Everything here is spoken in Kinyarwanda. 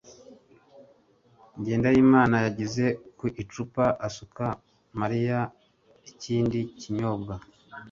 Jyendayimana yageze ku icupa asuka Mariya ikindi kinyobwa